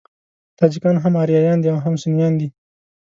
تاجکان هم آریایان دي او هم سنيان دي.